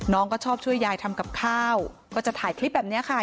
น้องก็ชอบช่วยยายทำกับข้าวก็จะถ่ายคลิปแบบนี้ค่ะ